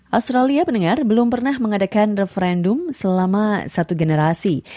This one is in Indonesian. australia mendengar belum pernah mengadakan referendum selama satu generasi